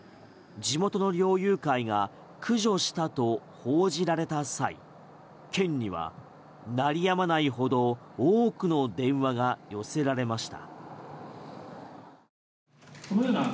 地元の猟友会が駆除したと報じられた際県には鳴りやまないほど多くの電話が寄せられました。